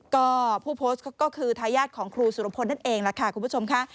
ก็ผู้โพสต์ก็คือทายาทของครูสุรพลนั่นเองล่ะค่ะคุณผู้ชมค่ะ